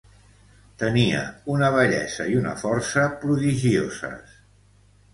Tenia una bellesa i una força prodigioses.